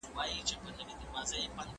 ايا پانګونه ټولنيز محصول زياتوي؟